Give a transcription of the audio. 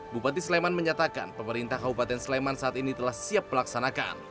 bupati sleman menyatakan pemerintah kabupaten sleman saat ini telah siap melaksanakan